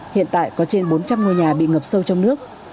hiện tại có trên bốn trăm linh ngôi nhà bị ngập sâu trong nước